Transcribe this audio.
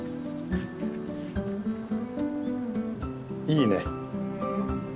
いいね。